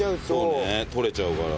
そうね取れちゃうから。